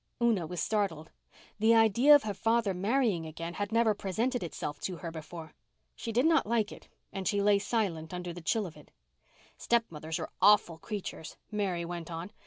Una was startled. The idea of her father marrying again had never presented itself to her before. She did not like it and she lay silent under the chill of it. "Stepmothers are awful creatures," Mary went on.